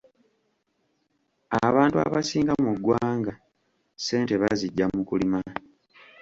Abantu abasinga mu ggwanga ssente baziggya mu kulima.